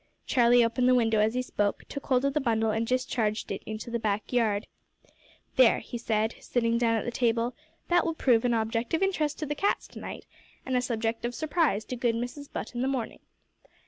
Charlie opened the window as he spoke, took hold of the bundle, and discharged it into the back yard. "There," he said, sitting down at the table, "that will prove an object of interest to the cats all night, and a subject of surprise to good Mrs Butt in the morning.